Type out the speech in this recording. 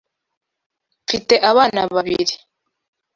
Mfite abana babiri